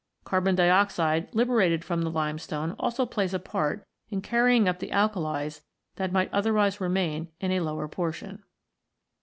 Carbon dioxide liberated from the limestone also plays a part in carrying up the alkalies that might otherwise remain in a lower portionfen.